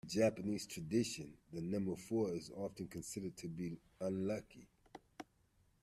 In Japanese tradition, the number four is often considered to be unlucky